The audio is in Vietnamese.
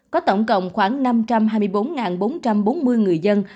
có tổng cộng khoảng năm trăm hai mươi bốn bốn trăm bốn mươi người dân